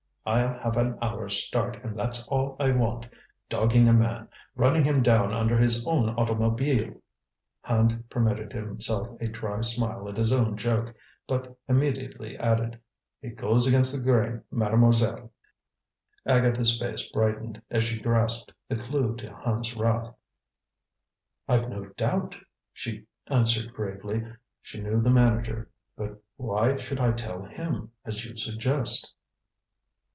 I'll have an hour's start, and that's all I want. Dogging a man running him down under his own automobile!" Hand permitted himself a dry smile at his own joke, but immediately added, "It goes against the grain, Mademoiselle!" Agatha's face brightened, as she grasped the clue to Hand's wrath. "I've no doubt," she answered gravely. She knew the manager. "But why should I tell him, as you suggest?"